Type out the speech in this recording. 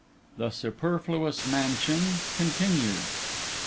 THE SUPERFLUOUS MANSION (Continued).